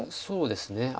そうですね。